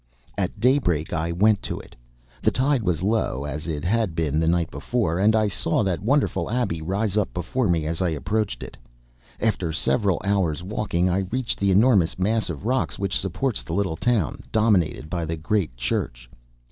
At daybreak I went to it. The tide was low as it had been the night before, and I saw that wonderful abbey rise up before me as I approached it. After several hours' walking, I reached the enormous mass of rocks which supports the little town, dominated by the great church.